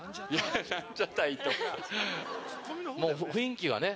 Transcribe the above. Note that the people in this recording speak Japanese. もう雰囲気はね。